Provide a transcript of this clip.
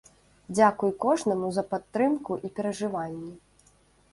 Дзякуй кожнаму за падтрымку і перажыванні.